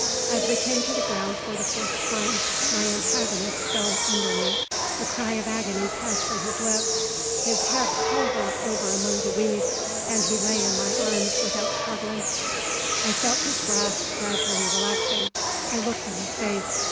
As we came to the ground for the fourth time, my antagonist fell under me. A cry of agony passed from his lips; his head "coggled" over among the weeds; and he lay in my arms without struggling. I felt his grasp gradually relaxing. I looked in his face.